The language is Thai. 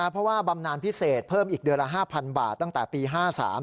เพราะว่าบำนานพิเศษเพิ่มอีกเดือนละ๕๐๐บาทตั้งแต่ปี๕๓